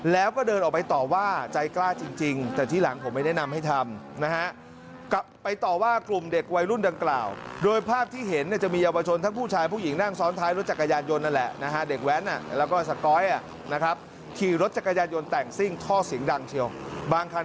แล้วก็เดินออกไปต่อว่าใจกล้าจริงแต่ที่หลังผมไม่แนะนำให้ทำนะฮะไปต่อว่ากลุ่มเด็กวัยรุ่นดังกล่าวโดยภาพที่เห็นเนี่ยจะมีเยาวชนทั้งผู้ชายผู้หญิงนั่งซ้อนท้ายรถจักรยานยนต์นั่นแหละนะฮะเด็กแว้นแล้วก็สก๊อยนะครับขี่รถจักรยานยนต์แต่งซิ่งท่อเสียงดังเชียวบางคัน